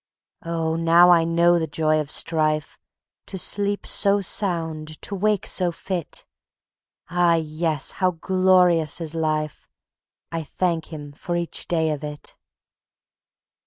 Oh, now I know the joy of strife! To sleep so sound, to wake so fit. Ah yes, how glorious is life! I thank Him for each day of it."